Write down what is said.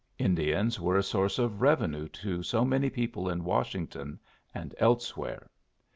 Indians were a source of revenue to so many people in Washington and elsewhere.